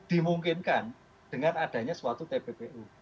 dimungkinkan dengan adanya suatu tpu tpu